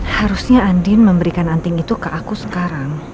harusnya andin memberikan anting itu ke aku sekarang